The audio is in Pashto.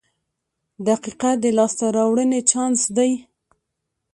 • دقیقه د لاسته راوړنې چانس دی.